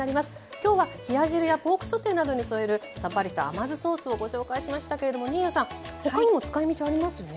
今日は冷や汁やポークソテーなどに添えるさっぱりした甘酢ソースをご紹介しましたけれども新谷さん他にも使いみちありますよね？